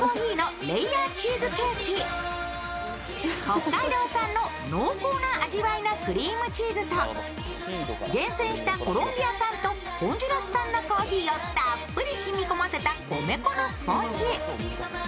北海道産の濃厚な味わいのクリームチーズと厳選したコロンビア産とホンジュラス産のコーヒーをたっぷり染み込ませた米粉のスポンジ。